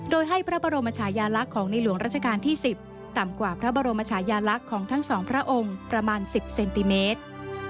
โดยให้พระบรมชายาลักษณ์ของในหลวงราชการที่๑๐ต่ำกว่าพระบรมชายาลักษณ์ของทั้งสองพระองค์ประมาณ๑๐เซนติเมตร